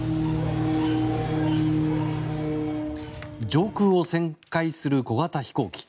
上空を旋回する小型飛行機。